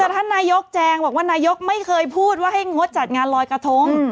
แต่ท่านนายกแจงบอกว่านายกไม่เคยพูดว่าให้งดจัดงานลอยกระทง